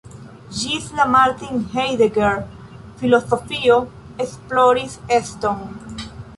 Ĝis la Martin Heidegger filozofio esploris eston.